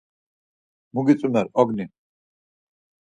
Mu gitzumer ognii?